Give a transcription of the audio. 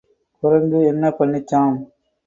குரங்கு என்ன பண்ணிச்சாம்?